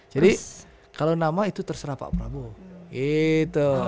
jadi kalau nama itu terserah pak prabowo